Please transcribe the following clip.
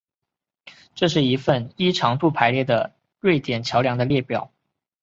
这是一份依长度排列的瑞典桥梁的列表